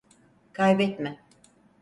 Kaybetme.